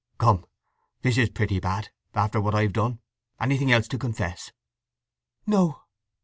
"Come—this is pretty bad, after what I've done! Anything else to confess?" "No."